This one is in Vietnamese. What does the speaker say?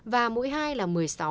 và mũi hai là một mươi sáu sáu mươi hai